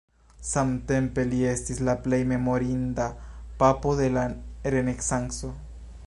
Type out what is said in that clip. Samtempe li estis la plej memorinda papo de la renesanco.